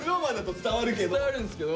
伝わるんですけど。